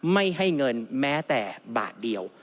ไม่ให้เงินแม้แต่บาทเดียว